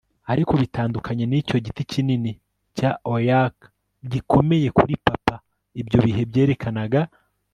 Ariko bitandukanye nicyo giti kinini cya Oak gikomeye kuri papa ibyo bihe byerekanaga